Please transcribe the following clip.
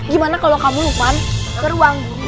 gimana kalau kamu lukman ke ruang ini